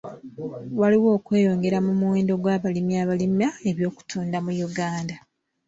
Waliwo okweyongera mu muwendo gw'abalimi abalima eby'okutunda mu Uganda.